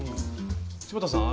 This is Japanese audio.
柴田さん